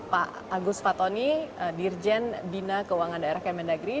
pak agus fatoni dirjen dina keuangan daerah kementerian negeri